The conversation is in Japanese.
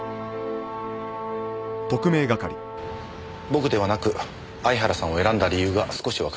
僕ではなく相原さんを選んだ理由が少しわかりましたよ。